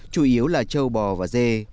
chủ yếu là châu bò và dê